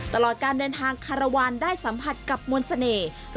ตลอดการเดินทางคารวาลได้สัมผัสกับมนต์เสน่ห์